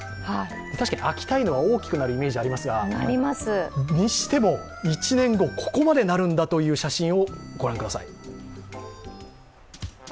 確かに秋田犬は大きくなるイメージがありますが、にしても、１年後、ここまでなるんだという写真を御覧ください。